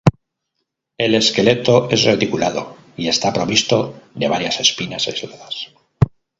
El esqueleto es reticulado, y está provisto de varias espinas aisladas.